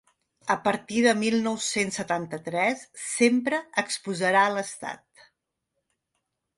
A partir de mil nou-cents setanta-tres sempre exposarà a l’estat.